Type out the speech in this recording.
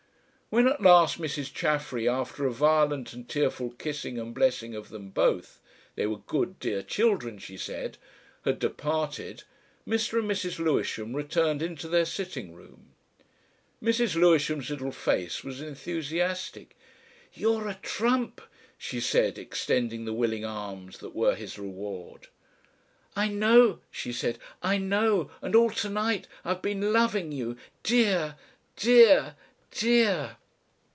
When at last Mrs. Chaffery, after a violent and tearful kissing and blessing of them both they were "good dear children," she said had departed, Mr. and Mrs. Lewisham returned into their sitting room. Mrs. Lewisham's little face was enthusiastic. "You're a Trump," she said, extending the willing arms that were his reward. "I know," she said, "I know, and all to night I have been loving you. Dear! Dear! Dear...."